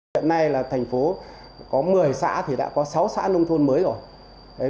hiện nay là thành phố có một mươi xã thì đã có sáu xã nông thôn mới rồi